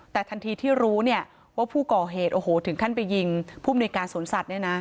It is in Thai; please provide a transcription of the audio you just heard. แต่ทันทีที่รู้ว่าผู้ก่อเหตุถึงขั้นไปยิงผู้มนุยการสนสัตว์